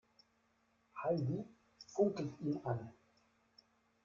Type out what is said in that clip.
Heidi funkelt ihn an.